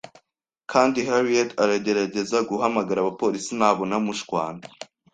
kandi Harriet aragerageza guhamagara abapolisi nabona mushwana.